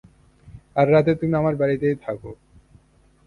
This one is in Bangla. আর রাতে তুমি আমার বাড়িতেই থাক।